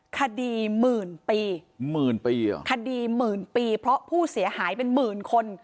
คดีหมื่นปีหมื่นปีเหรอคดีหมื่นปีเพราะผู้เสียหายเป็นหมื่นคน